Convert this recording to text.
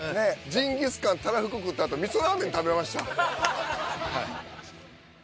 ジンギスカンたらふく食ったあとみそラーメン食べました。